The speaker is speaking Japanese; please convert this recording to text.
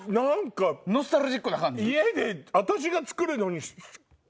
ノスタルジックな感じ？